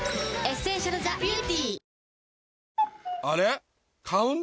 あれ？